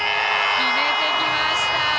決めてきました！